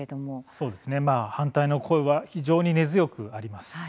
そうですね、反対の声は非常に根強くあります。